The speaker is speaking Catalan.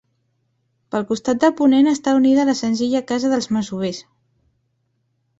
Pel costat de ponent està unida a la senzilla casa dels masovers.